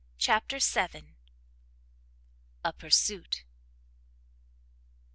CHAPTER vii. A PURSUIT.